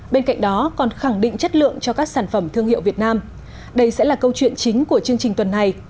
bên cạnh đó còn khẳng định chất lượng cho các sản phẩm thương hiệu việt nam đây sẽ là câu chuyện chính của chương trình tuần này